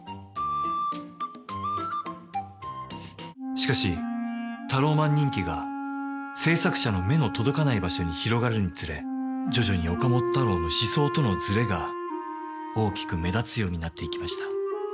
しかしタローマン人気が制作者の目の届かない場所に広がるにつれ徐々に岡本太郎の思想とのズレが大きく目立つようになっていきました。